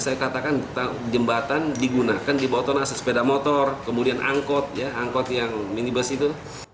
saya katakan jembatan digunakan dibawah tonasenya sepeda motor kemudian angkot angkot yang minibus itu